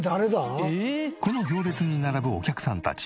この行列に並ぶお客さんたち。